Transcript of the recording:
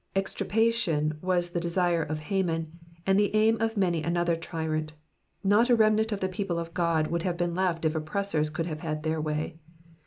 Extirpation was the desire of Human, and the aim of many another tyrant ; not a remnant of the people of God would have been left if oppressors could have had their way.